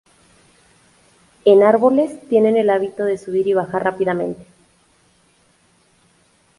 En árboles, tienen el hábito de subir y bajar rápidamente.